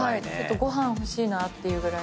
ご飯欲しいなっていうぐらい。